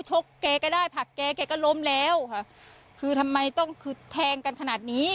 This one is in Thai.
แกก็ได้ผักแกแกก็ล้มแล้วค่ะคือทำไมต้องคือแทงกันขนาดนี้